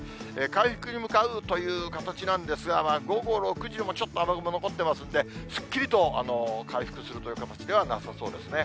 回復に向かうという形なんですが、午後６時でも、ちょっと雨雲残ってますんで、すっきりと回復するという形ではなさそうですね。